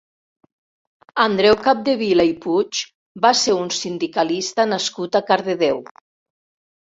Andreu Capdevila i Puig va ser un sindicalista nascut a Cardedeu.